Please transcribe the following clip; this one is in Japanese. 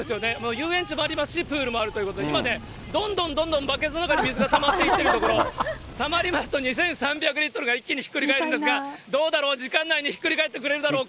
遊園地もありますし、プールもあるということで、今ね、どんどんどんどんバケツの中に水がたまっていってるところ、たまりますと２３００リットルが一気にひっくり返るんですが、どうだろう、時間内にひっくり返ってくれるだろうか。